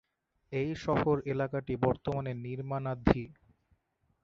এই শহর এলাকাটি বর্তমানে নির্মাণাধী।